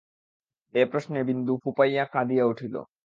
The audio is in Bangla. এ প্রশ্নে বিন্দু ফুপাইয়া কাঁদিয়া উঠিল।